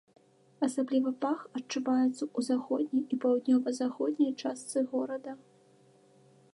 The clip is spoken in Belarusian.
Асабліва пах адчуваецца ў заходняй і паўднёва-заходняй частцы горада.